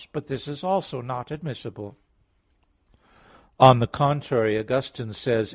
But this also is not admissible. On the contrary, Augustine says (Qq.